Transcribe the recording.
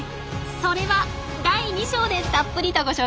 それは第２章でたっぷりとご紹介しますね。